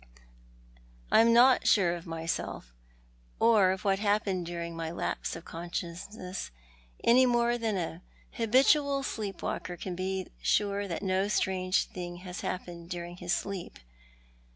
" I am not siire of myself, or of what happened during my lai^se of consciousness any more than an habitual sleep walker can be sure that no strange thing has happened during his sleep.